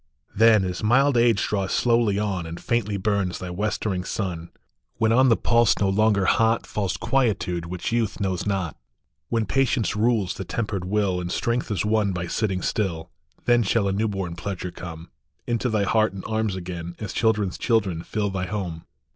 "" Then, as mild age draws slowly on, And faintly burns thy westering sun, When on the pulse no longer hot Falls quietude which youth knows not, When patience rules the tempered will, And strength is won by sitting still, Then shall a new born pleasure come Into thy heart and arms again, As children s children fill thy home."